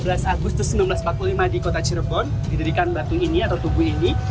sebelas agustus seribu sembilan ratus empat puluh lima di kota cirebon didirikan batu ini atau tubuh ini